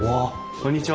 こんにちは。